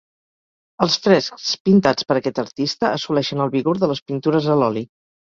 Els frescs pintats per aquest artista assoleixen el vigor de les pintures a l'oli.